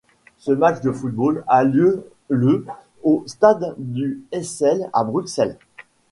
Ce match de football a lieu le au Stade du Heysel à Bruxelles.